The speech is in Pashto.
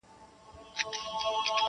د پانوس جنازه وزي خپلي شمعي سوځولی -